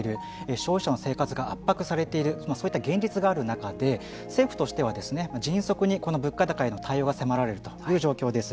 消費者の生活が圧迫されているそういった現実がある中で政府としては迅速にこの物価高への対応が迫られるという状況です。